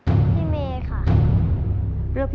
น้องแนนจะเลือกให้ใครขึ้นมาต่อชีวิตเป็นคนต่อไป